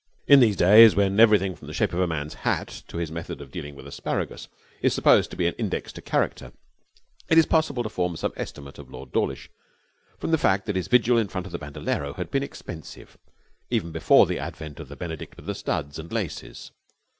In these days when everything, from the shape of a man's hat to his method of dealing with asparagus, is supposed to be an index to character, it is possible to form some estimate of Lord Dawlish from the fact that his vigil in front of the Bandolero had been expensive even before the advent of the Benedict with the studs and laces.